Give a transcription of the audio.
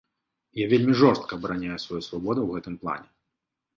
Я вельмі жорстка абараняю сваю свабоду ў гэтым плане.